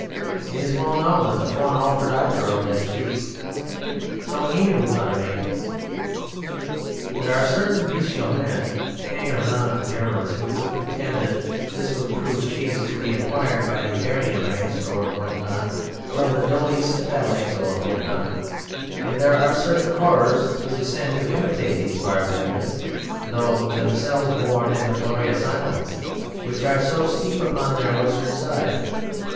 It is well known that the faun offered either of them cheese. So he knew how to make it. There are certain bestial men, hangers on of the Germans, who would contend that this would prove cheese to be acquired by the Aryan race (or what not) from the Dolichocephalics (or what not), and there are certain horrors who descend to imitate these barbarians though themselves born in these glorious islands, which are so steep upon their western side.